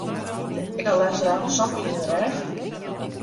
Ik ha de lêste dagen sa'n pine yn de rêch.